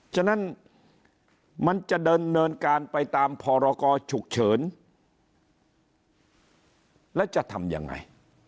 ฉะนั้นมันจะเดินเนินการไปตามพรกรฉุกเฉินแล้วจะทำยังไง